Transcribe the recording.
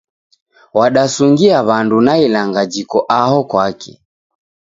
Wadasungia w'andu na ilanga jiko aho kwake